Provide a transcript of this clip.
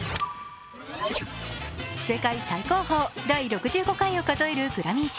世界最高峰、第６５回を数えるグラミー賞。